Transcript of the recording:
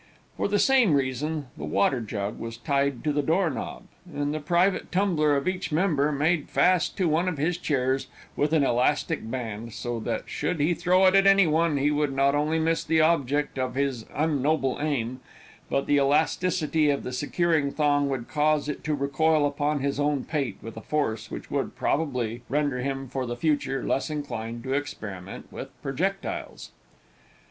For the same reason, the water jug was tied to the door knob, and the private tumbler of each member made fast to one of his chairs with an elastic band, so that, should he throw it at any one, he would not only miss the object of his unnoble aim, but the elasticity of the securing thong would cause it to recoil upon his own pate, with a force which would, probably, render him for the future less inclined to experiment in projectiles.